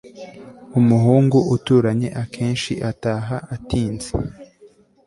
umuhungu uturanye akenshi ataha atinze